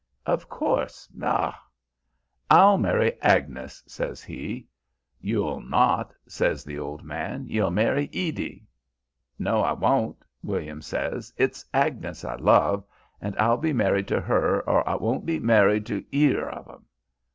"Of course, ah!" "I'll marry Agnes' says he. "'You'll not' says the old man 'you'll marry Edie.' "'No I won't' William says 'it's Agnes I love and I'll be married to her or I won't be married to e'er of 'em.'